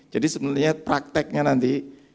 jadi sebenarnya prakteknya nanti